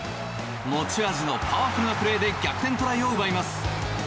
持ち味のパワフルなプレーで逆転トライを奪います。